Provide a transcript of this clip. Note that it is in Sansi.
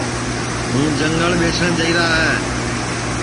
ہوں جنٚگل ٻیسٹؔے جائیرا ہے